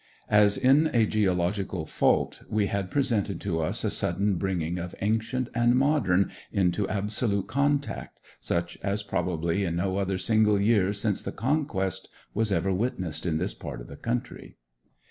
As in a geological "fault," we had presented to us a sudden bringing of ancient and modern into absolute contact, such as probably in no other single year since the Conquest was ever witnessed in this part of the country.